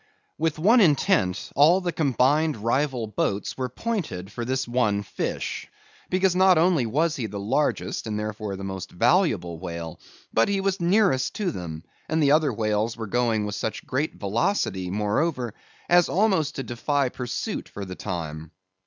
With one intent all the combined rival boats were pointed for this one fish, because not only was he the largest, and therefore the most valuable whale, but he was nearest to them, and the other whales were going with such great velocity, moreover, as almost to defy pursuit for the time.